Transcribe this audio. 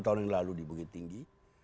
tahun yang lalu di bukit tinggi